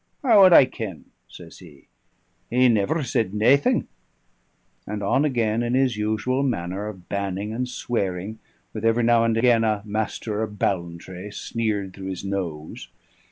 "How would I ken?" says he. "He never said naething." And on again in his usual manner of banning and swearing, with every now and again a "Master of Ballantrae" sneered through his nose.